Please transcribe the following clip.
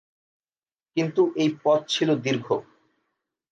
কিন্তু এই পথ ছিল দীর্ঘ।